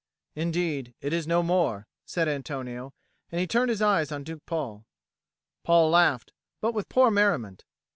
"Indeed it is no more," said Antonio, and he turned his eyes on Duke Paul. Paul laughed, but with poor merriment.